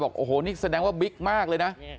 บอกโอ้โหนี่แสดงว่าบิ๊กมากเลยนะ